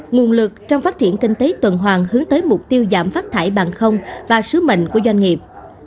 nguồn lực trong phát triển kinh tế tuần hoàng hướng tới mục tiêu giảm phát thải bằng không và sứ mệnh của doanh nghiệp